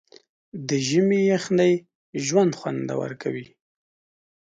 د ژمي یخنۍ ژوند خوندور کوي.